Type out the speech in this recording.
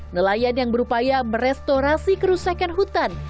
nelayan yang berupaya merestorasi kerusakan hutan